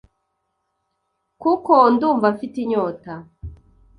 kuko ndumva mfite inyota.